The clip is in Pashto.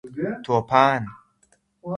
توپان